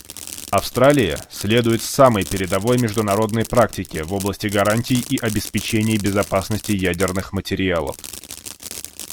Австралия следует самой передовой международной практике в области гарантий и обеспечения безопасности ядерных материалов.